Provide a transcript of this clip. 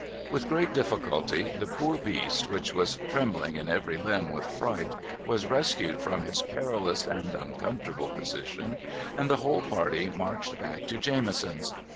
With great difficulty the poor beast, which was trembling in every limb with fright, w^as rescued from his perilous and un comfortable position, and the whole party marched back to Jamison's.